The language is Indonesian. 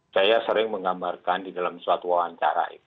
saya sering menggambarkan di dalam suatu wawancara